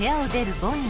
ボニー。